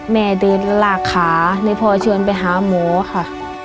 แม่ดื่นแล้วหลากขาเลยพอชวนไปหาหมอค่ะ